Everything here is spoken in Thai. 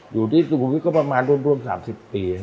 อยู่ที่สุขุมวิทย์ก็ประมาณร่วม๓๐ปี